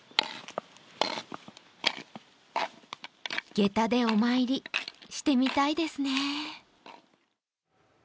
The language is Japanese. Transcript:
げたでお参りしてみたいですね。